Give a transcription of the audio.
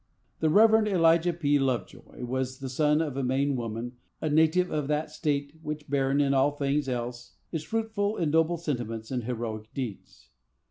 The Rev. Elijah P. Lovejoy was the son of a Maine woman, a native of that state which, barren in all things else, is fruitful in noble sentiments and heroic deeds.